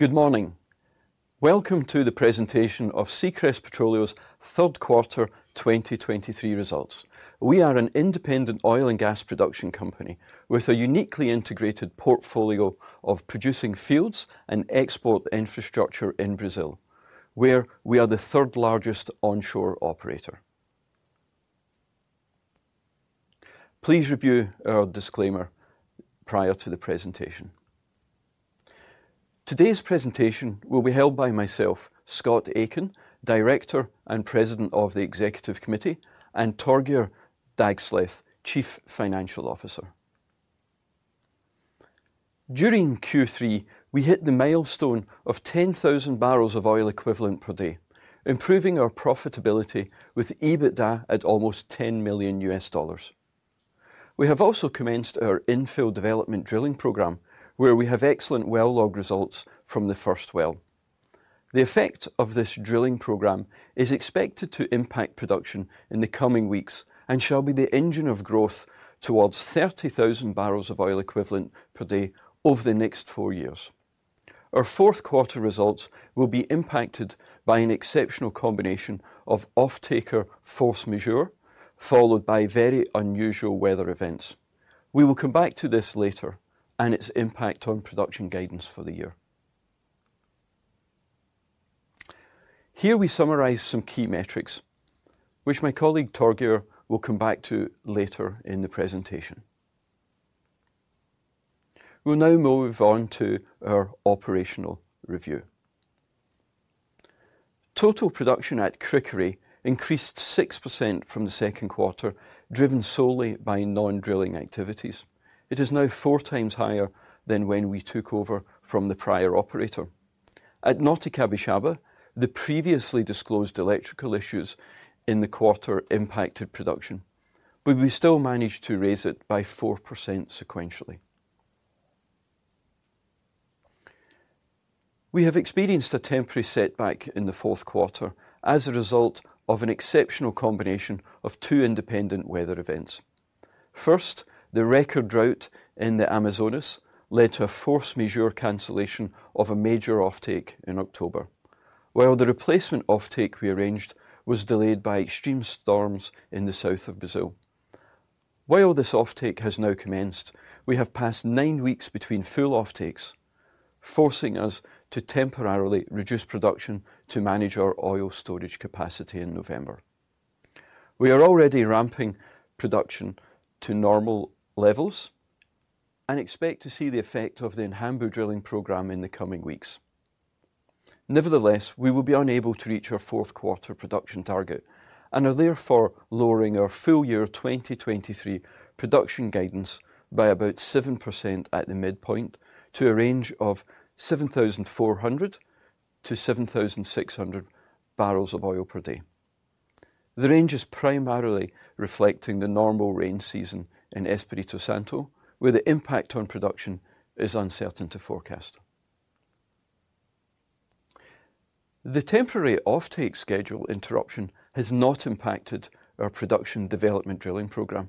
Good morning! Welcome to the presentation of Seacrest Petroleo's third quarter 2023 results. We are an independent oil and gas production company with a uniquely integrated portfolio of producing fields and export infrastructure in Brazil, where we are the third-largest onshore operator. Please review our disclaimer prior to the presentation. Today's presentation will be held by myself, Scott Aitken, Director and President of the Executive Committee, and Torgeir Dagsleth, Chief Financial Officer. During Q3, we hit the milestone of 10,000 barrels of oil equivalent per day, improving our profitability with EBITDA at almost $10 million. We have also commenced our infill development drilling program, where we have excellent well log results from the first well. The effect of this drilling program is expected to impact production in the coming weeks and shall be the engine of growth towards 30,000 barrels of oil equivalent per day over the next four years. Our fourth quarter results will be impacted by an exceptional combination of off-taker force majeure, followed by very unusual weather events. We will come back to this later and its impact on production guidance for the year. Here we summarize some key metrics, which my colleague, Torgeir, will come back to later in the presentation. We'll now move on to our operational review. Total production at Cricaré increased 6% from the second quarter, driven solely by non-drilling activities. It is now 4 times higher than when we took over from the prior operator. At Norte Capixaba, the previously disclosed electrical issues in the quarter impacted production, but we still managed to raise it by 4% sequentially. We have experienced a temporary setback in the fourth quarter as a result of an exceptional combination of two independent weather events. First, the record drought in the Amazonas led to a force majeure cancellation of a major offtake in October, while the replacement offtake we arranged was delayed by extreme storms in the south of Brazil. While this offtake has now commenced, we have passed nine weeks between full offtakes, forcing us to temporarily reduce production to manage our oil storage capacity in November. We are already ramping production to normal levels and expect to see the effect of the Inhambu drilling program in the coming weeks. Nevertheless, we will be unable to reach our fourth quarter production target and are therefore lowering our full year 2023 production guidance by about 7% at the midpoint to a range of 7,400-7,600 barrels of oil per day. The range is primarily reflecting the normal rain season in Espírito Santo, where the impact on production is uncertain to forecast. The temporary offtake schedule interruption has not impacted our production development drilling program.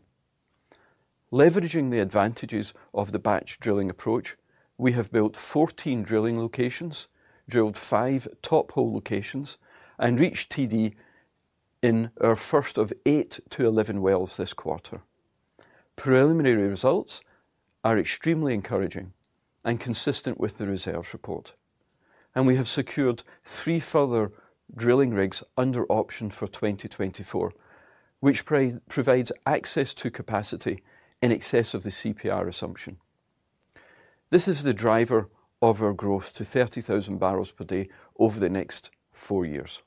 Leveraging the advantages of the batch drilling approach, we have built 14 drilling locations, drilled five Top Hole locations, and reached TD in our first of 8-11 wells this quarter. Preliminary results are extremely encouraging and consistent with the reserves report, and we have secured three further drilling rigs under option for 2024, which provides access to capacity in excess of the CPR assumption. This is the driver of our growth to 30,000 barrels per day over the next four years.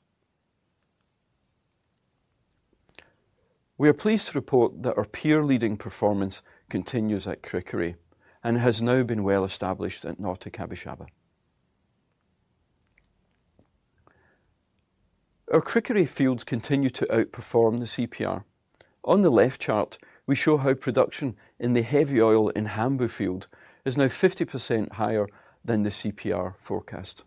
We are pleased to report that our peer-leading performance continues at Cricaré and has now been well established at Norte Capixaba. Our Cricaré fields continue to outperform the CPR. On the left chart, we show how production in the heavy oil Inhambu field is now 50% higher than the CPR forecast.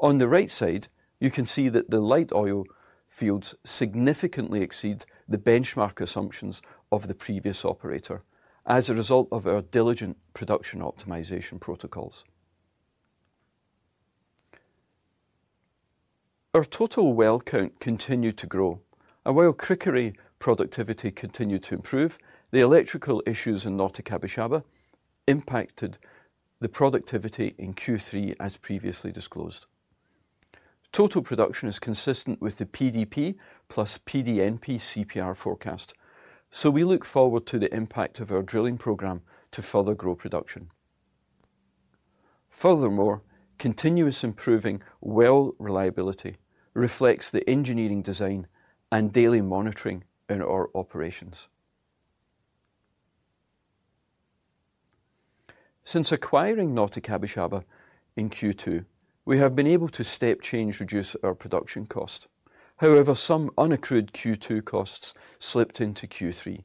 On the right side, you can see that the light oil fields significantly exceed the benchmark assumptions of the previous operator as a result of our diligent production optimization protocols. Our total well count continued to grow, and while Cricaré productivity continued to improve, the electrical issues in Norte Capixaba impacted the productivity in Q3, as previously disclosed. Total production is consistent with the PDP plus PDNP CPR forecast, so we look forward to the impact of our drilling program to further grow production. Furthermore, continuous improving well reliability reflects the engineering design and daily monitoring in our operations. Since acquiring Norte Capixaba in Q2, we have been able to step change, reduce our production cost. However, some unaccrued Q2 costs slipped into Q3.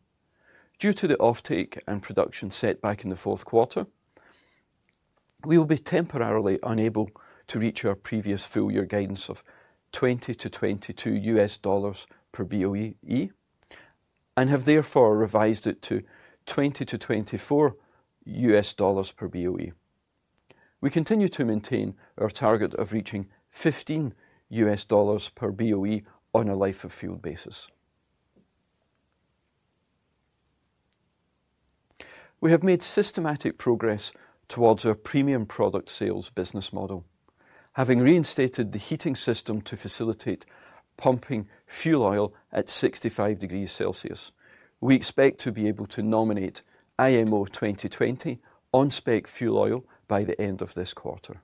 Due to the offtake and production set back in the fourth quarter, we will be temporarily unable to reach our previous full year guidance of $20-$22 per BOE and have therefore revised it to $20-$24 per BOE. We continue to maintain our target of reaching $15 per BOE on a life of field basis. We have made systematic progress towards our premium product sales business model. Having reinstated the heating system to facilitate pumping fuel oil at 65 degrees Celsius, we expect to be able to nominate IMO 2020 on-spec fuel oil by the end of this quarter.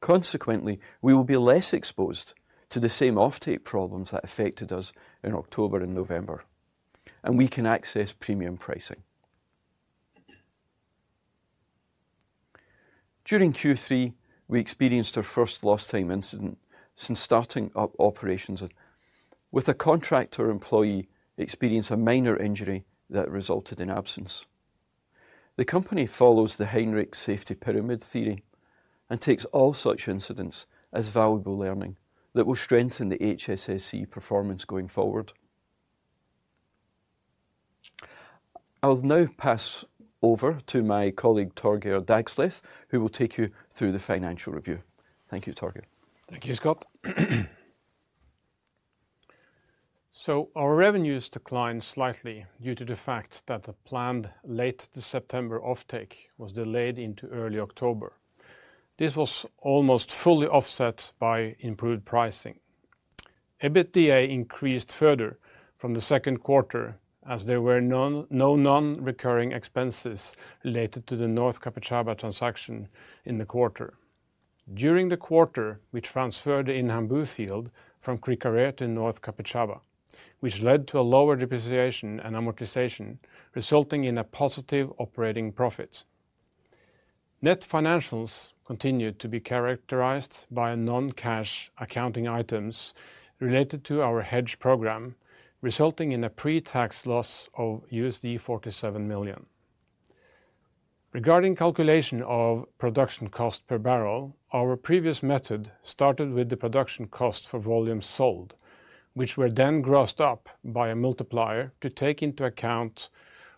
Consequently, we will be less exposed to the same offtake problems that affected us in October and November, and we can access premium pricing. During Q3, we experienced our first lost time incident since starting operations, with a contractor employee experienced a minor injury that resulted in absence. The company follows the Heinrich safety pyramid theory and takes all such incidents as valuable learning that will strengthen the HSE performance going forward. I'll now pass over to my colleague, Torgeir Dagsleth, who will take you through the financial review. Thank you, Torgeir. Thank you, Scott. So our revenues declined slightly due to the fact that the planned late September offtake was delayed into early October. This was almost fully offset by improved pricing. EBITDA increased further from the second quarter, as there were no non-recurring expenses related to the Norte Capixaba transaction in the quarter. During the quarter, we transferred the Inhambu field from Cricaré to Norte Capixaba, which led to a lower depreciation and amortization, resulting in a positive operating profit. Net financials continued to be characterized by non-cash accounting items related to our hedge program, resulting in a pre-tax loss of $47 million. Regarding calculation of production cost per barrel, our previous method started with the production cost for volumes sold, which were then grossed up by a multiplier to take into account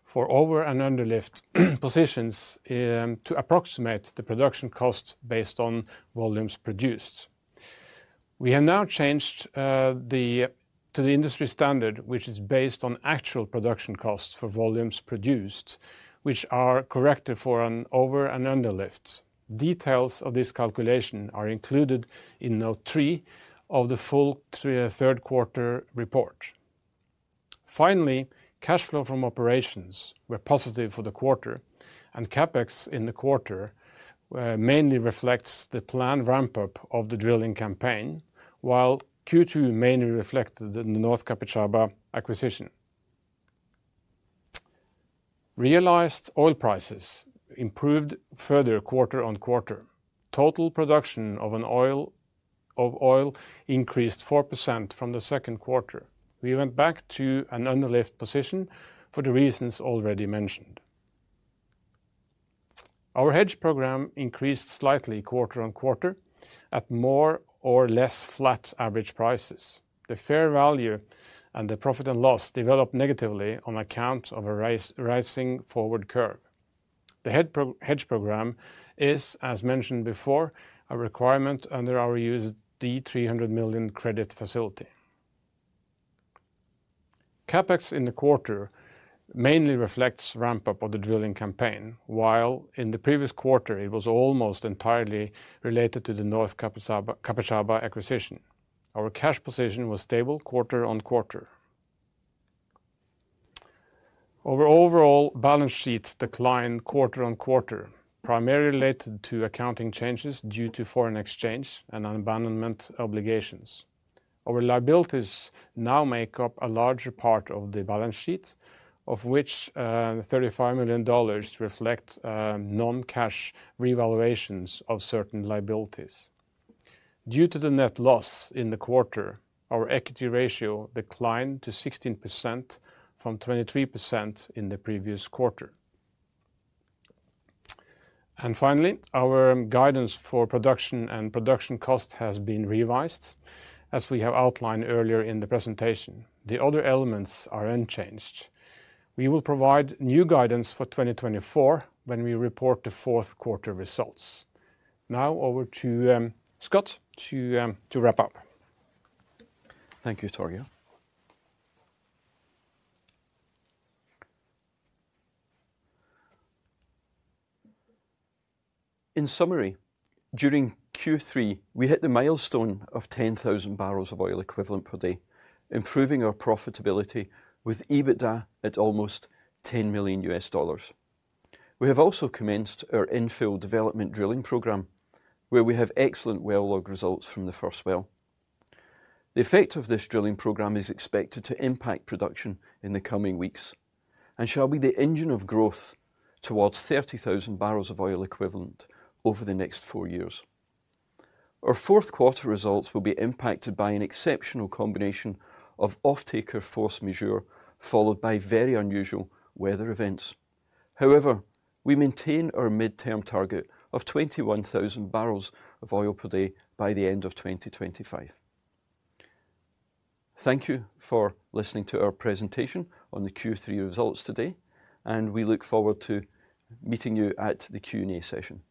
for over and underlift positions, to approximate the production costs based on volumes produced. We have now changed to the industry standard, which is based on actual production costs for volumes produced, which are corrected for an over and underlift. Details of this calculation are included in note 3 of the full third quarter report. Finally, cash flow from operations were positive for the quarter, and Capex in the quarter mainly reflects the planned ramp-up of the drilling campaign, while Q2 mainly reflected the Norte Capixaba acquisition. Realized oil prices improved further quarter-over-quarter. Total production of oil increased 4% from the second quarter. We went back to an underlift position for the reasons already mentioned. Our hedge program increased slightly quarter-over-quarter at more or less flat average prices. The fair value and the profit and loss developed negatively on account of a rising forward curve. The hedge program is, as mentioned before, a requirement under our $300 million credit facility. CapEx in the quarter mainly reflects ramp-up of the drilling campaign, while in the previous quarter it was almost entirely related to the Norte Capixaba acquisition. Our cash position was stable quarter-on-quarter. Our overall balance sheet declined quarter-on-quarter, primarily related to accounting changes due to foreign exchange and abandonment obligations. Our liabilities now make up a larger part of the balance sheet, of which, thirty-five million dollars reflect, non-cash revaluations of certain liabilities. Due to the net loss in the quarter, our equity ratio declined to 16% from 23% in the previous quarter. And finally, our guidance for production and production cost has been revised, as we have outlined earlier in the presentation. The other elements are unchanged. We will provide new guidance for 2024 when we report the fourth quarter results. Now over to, Scott, to wrap up. Thank you, Torgeir. In summary, during Q3, we hit the milestone of 10,000 barrels of oil equivalent per day, improving our profitability with EBITDA at almost $10 million. We have also commenced our infill development drilling program, where we have excellent well log results from the first well. The effect of this drilling program is expected to impact production in the coming weeks and shall be the engine of growth towards 30,000 barrels of oil equivalent over the next four years. Our fourth quarter results will be impacted by an exceptional combination of offtaker force majeure, followed by very unusual weather events. However, we maintain our midterm target of 21,000 barrels of oil per day by the end of 2025. Thank you for listening to our presentation on the Q3 results today, and we look forward to meeting you at the Q&A session.